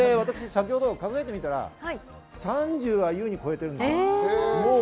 先ほど数えてみたら、３０は優に超えてるんです。